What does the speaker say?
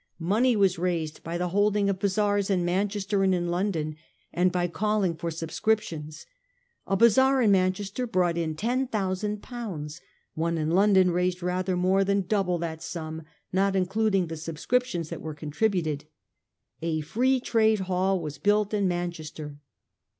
Money was raised by the holding of bazaars in Manchester and in London, and by calling for subscriptions. A bazaar in Manchester brought in ten thousand pounds; one in London raised rather more than double that sum, not including the subscriptions that were contributed. A Free Trade Hall was built in Manchester.